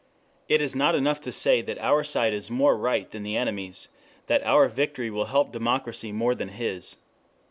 It is not enough to say that our side is more right than the enemy's, that our victory will help democracy more than his.